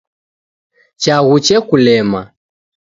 Chaghu chekulema.